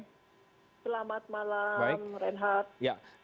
selamat malam renhard